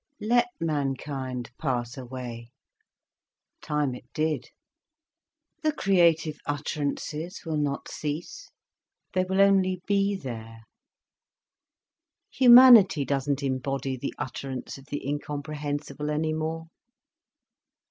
Let mankind pass away—time it did. The creative utterances will not cease, they will only be there. Humanity doesn't embody the utterance of the incomprehensible any more.